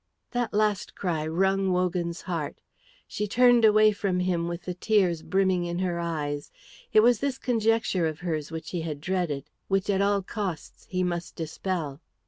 That last cry wrung Wogan's heart. She turned away from him with the tears brimming in her eyes. It was this conjecture of hers which he had dreaded, which at all costs he must dispel.